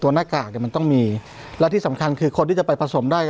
หน้ากากเนี่ยมันต้องมีและที่สำคัญคือคนที่จะไปผสมได้